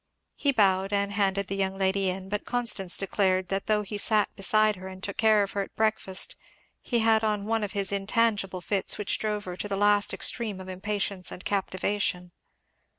He bowed and handed the young lady in; but Constance declared that though he sat beside her and took care of her at breakfast he had on one of his intangible fits which drove her to the last extreme of impatience, and captivation.